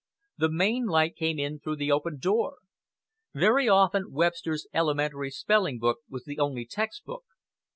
The main light came in through the open door. Very often Webster's "Elementary Spelling book" was the only text book.